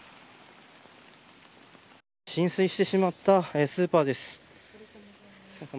浸水してしまったスーパーです。